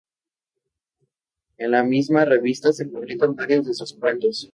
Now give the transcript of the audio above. En la misma "Revista" se publican varios de sus cuentos.